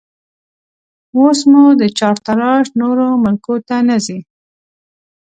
اوس مو چارتراش نورو ملکو ته نه ځي